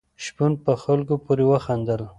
شپون په خلکو پورې وخندل.